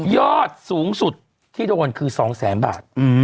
ยอดสูงสุดที่โดนคือ๒๐๐๐๐๐บาท